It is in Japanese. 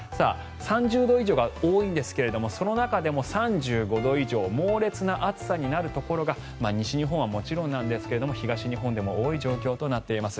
３０度以上が多いんですがその中でも３５度以上猛烈な暑さになるところが西日本はもちろんなんですが東日本でも多い状況となっています。